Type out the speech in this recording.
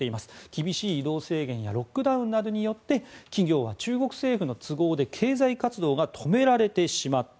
厳しい移動制限やロックダウンなどによって企業が中国政府の都合で経済活動が止められてしまった。